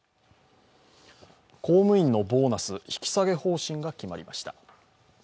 公務員のボーナス、引き下げ方針が決まりました。